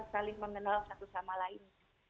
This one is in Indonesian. saling mengenal satu sama lain